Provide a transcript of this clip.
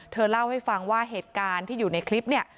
เธอเล่าให้ฟังว่าเหตุการณ์ที่อยู่ในคลิปเนี่ย